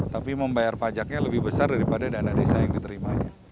tapi membayar pajaknya lebih besar daripada dana desa yang diterimanya